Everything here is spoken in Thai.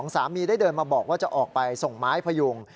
สามีได้เดินมาบอกว่าจะออกไปส่งไม้พยุง